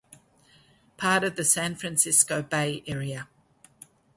Part of the San Francisco Bay area.